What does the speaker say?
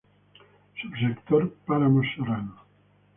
Subsector: Páramos serranos.